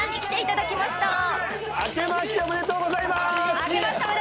明けましておめでとうございまーす！